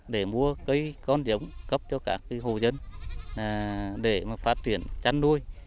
để mua cây con giống cấp cho các hồ dân để phát triển chăn nuôi